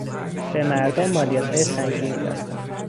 به مردم مالیاتهای سنگینی بستند.